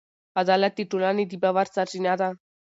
عدالت د ټولنې د باور سرچینه ده.